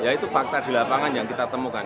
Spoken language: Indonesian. ya itu fakta di lapangan yang kita temukan